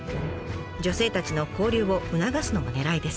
女性たちの交流を促すのもねらいです。